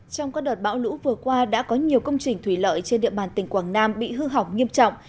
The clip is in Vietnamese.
trong các đợt bão lũ vừa qua đã có nhiều công trình thủy lợi trên địa bàn tỉnh quảng nam bị hư hỏng nghiêm trọng